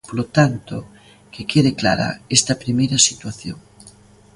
Polo tanto, que quede clara esta primeira situación.